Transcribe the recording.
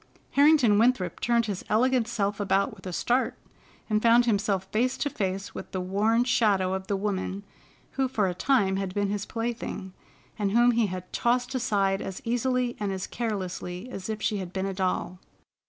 Harrington Winthrop turned his elegant self about with a start and found himself face to face with the worn shadow of the woman who for a time had been his plaything, and whom he had tossed aside as easily and as carelessly as if she had been a doll.